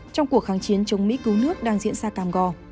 trong cuộc kháng chiến chống mỹ cứu nước đang diễn ra cam go